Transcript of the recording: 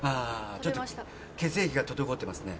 ちょっと血液が滞ってますね。